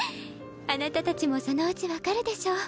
あなたたちもそのうち分かるでしょう。